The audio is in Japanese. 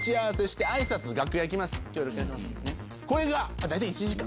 これが大体１時間。